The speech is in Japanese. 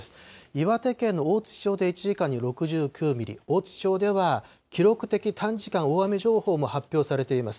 岩手県の大槌町で１時間に６９ミリ、大槌町では記録的短時間大雨情報も発表されています。